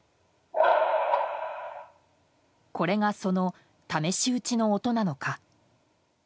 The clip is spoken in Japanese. これがその試し撃ちの音なのか。